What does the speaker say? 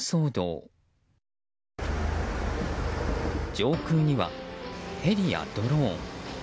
上空にはヘリやドローン。